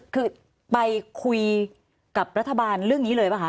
คือไปคุยกับรัฐบาลเรื่องนี้เลยป่ะคะ